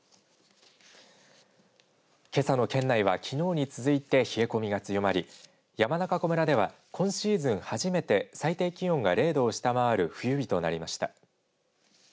けさの県内は、きのうに続いて冷え込みが強まり山中湖村では今シーズン初めて最低気温が０度を下回る冬日となりました。